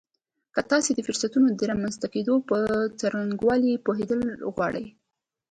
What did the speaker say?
که تاسې د فرصتونو د رامنځته کېدو په څرنګوالي پوهېدل غواړئ.